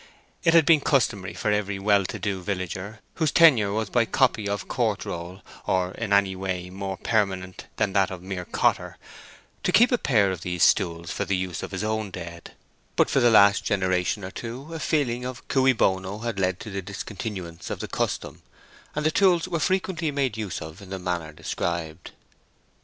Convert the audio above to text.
It had been customary for every well to do villager, whose tenure was by copy of court roll, or in any way more permanent than that of the mere cotter, to keep a pair of these stools for the use of his own dead; but for the last generation or two a feeling of cui bono had led to the discontinuance of the custom, and the stools were frequently made use of in the manner described.